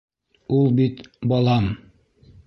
Ул бит... балам!